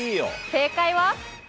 正解は。